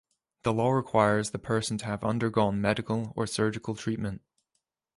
The law requires the person to have undergone medical or surgical treatment.